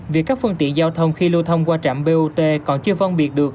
vì các phương tiện giao thông khi lưu thông qua trạm bot còn chưa phân biệt được